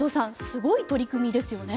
すごい取り組みですよね。